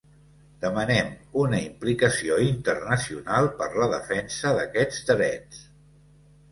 Demanem una implicació internacional per la defensa d’aquests drets.